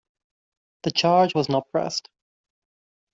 The charge was not pressed.